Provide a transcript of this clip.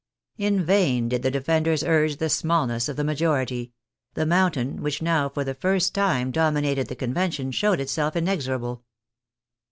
In vain did the defenders urge the smallness of the majority; the Mountain, which now for the first time dominated the Convention, showed itself inexorable.